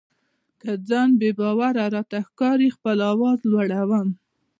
که ځان بې باوره راته ښکاري خپل آواز لوړوم.